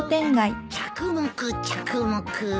着目着目。